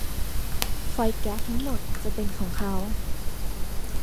ไฟแก๊สทั้งหมดจะเป็นของเขา